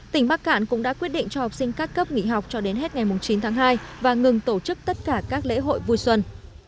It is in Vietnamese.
tỉnh bắc cạn cũng đã quyết định cho học sinh các cấp nghỉ học cho đến hết ngày chín tháng hai và ngừng tổ chức tất cả các lễ hội vui xuân